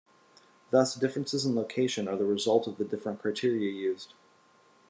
Thus, differences in location are the result of the different criteria used.